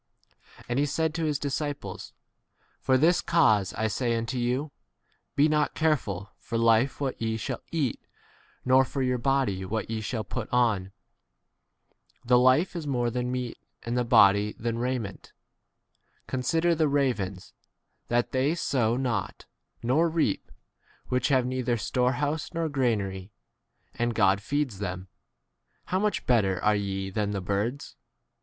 22 And he said to his disciples, For this cause I say unto you, Be not careful for 1 life what ye shall eat, nor for your body what ye shall 23 put on. The life is more than meat 24 and the body than raiment. Con sider the ravens, that m they sow not, nor reap ; which have neither storehouse nor granary ; and God feeds them. How much better 25 are ye than the birds